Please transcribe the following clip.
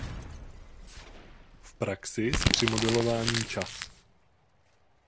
V praxi se při modelování čas.